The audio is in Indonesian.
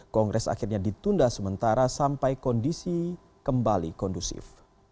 kongres akhirnya ditunda sementara sampai kondisi kembali kondusif